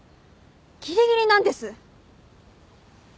ギリギリなんです。